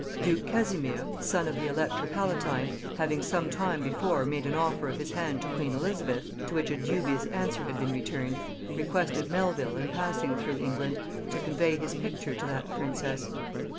Duke Casimir, son of the elector palatine, having some time before made an offer of his hand to queen Elizabeth, to which a dubious answer had been returned, requested Melvil, in passing through England, to convey his picture to that princess.